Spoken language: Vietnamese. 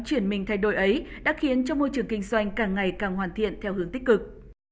chuyển mình thay đổi ấy đã khiến cho môi trường kinh doanh càng ngày càng hoàn thiện theo hướng tích cực